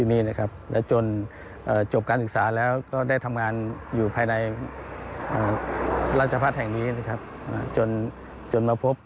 ในตุ้ยเลยเกิดพร้อมหึ้งห่วง